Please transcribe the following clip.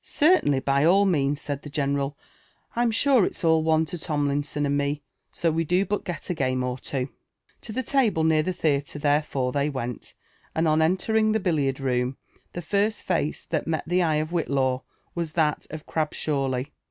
'* Certainty, by all means," said the general; 'Tm lure il*gaU One to Tomlinson and me, so we do but get a game or two*" To the table near the theatre therefore they went ; and on Entering the billiard room, the first face that met the eye of Whillaw was that of Crabshawly.